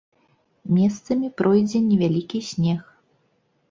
Месцамі пройдзе невялікі снег.